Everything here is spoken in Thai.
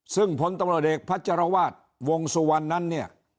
ซึ่งพตเอกพัชจารวาสวงสุวรรณ์นั้นเนี่ย